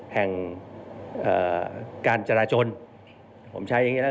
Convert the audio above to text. แห่งการเมืองที่ทำให้ประเทศแพ้